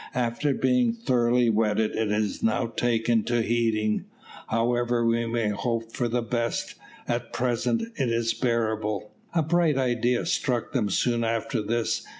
After being thoroughly wetted it has now taken to heating. However, we may hope for the best, at present it is bearable." A bright idea struck them soon after this.